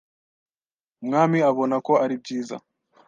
umwami abona ko ari byiza